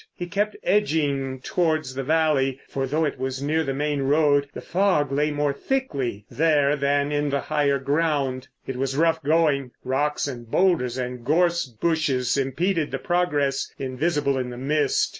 He kept edging towards the valley, for though it was near the main road, the fog lay more thickly there than in the higher ground. It was rough going. Rocks and boulders and gorse bushes impeded the progress, invisible in the mist.